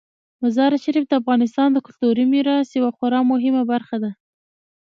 مزارشریف د افغانستان د کلتوري میراث یوه خورا مهمه برخه ده.